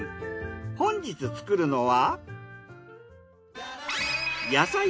本日作るのは。